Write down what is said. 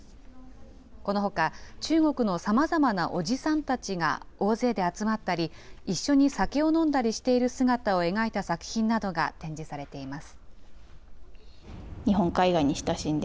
このほか中国のさまざまなおじさんたちが、大勢で集まったり、一緒に酒を飲んだりしている姿を描いた作品が展示されています。